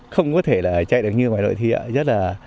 không có thể là chạy được như ngoài nội thị ạ